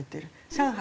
上海